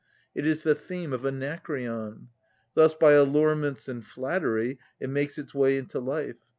It is the theme of Anacreon. Thus by allurements and flattery it makes its way into life.